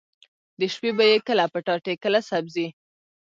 د شپې به يې کله پټاټې کله سبزي.